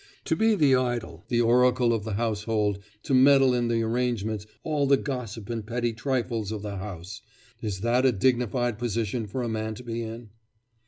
To be the idol, the oracle of the household, to meddle in the arrangements, all the gossip and petty trifles of the house is that a dignified position for a man to be in?